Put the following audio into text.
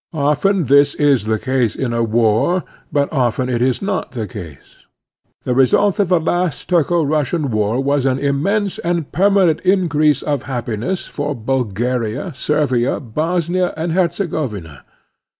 Often this is the case in a war, but often it is not the case. The result of the last Turko Rtissian war was an immense and permanent increase of happi ness for Bulgaria, Servia, Bosnia, and Herze govina.